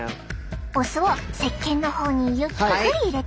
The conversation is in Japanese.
お酢をせっけんの方にゆっくり入れてみて。